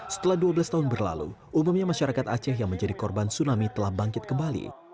setelah dua belas tahun berlalu umumnya masyarakat aceh yang menjadi korban tsunami telah bangkit kembali